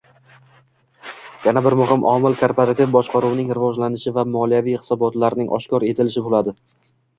Yana bir muhim omil korporativ boshqaruvning rivojlanishi va moliyaviy hisobotlarning oshkor etilishi bo'ladi